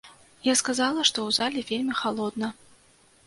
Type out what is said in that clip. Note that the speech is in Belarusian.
Я сказала, што ў зале вельмі халодна.